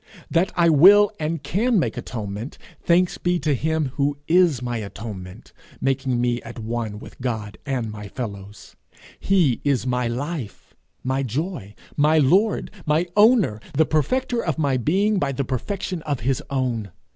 That I will and can make atonement, thanks be to him who is my atonement, making me at one with God and my fellows! He is my life, my joy, my lord, my owner, the perfecter of my being by the perfection of his own.